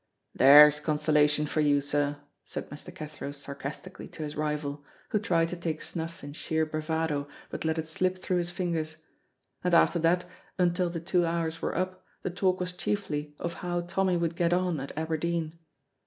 "There's consolation for you, sir," said Mr. Cathro, sarcastically, to his rival, who tried to take snuff in sheer bravado, but let it slip through his fingers, and after that, until the two hours were up, the talk was chiefly of how Tommy would get on at Aberdeen.